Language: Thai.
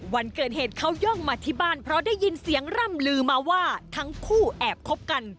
วันเกิดเหตุเขาย่องมาที่บ้านเพราะได้ยินเสียงร่ำลือมาว่าทั้งคู่แอบคบกัน